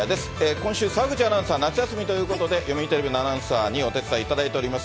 今週、澤口アナウンサー夏休みということで、読売テレビのアナウンサーにお手伝いいただいています。